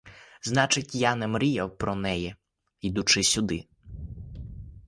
Значить, я не мріяв про неї, їдучи сюди?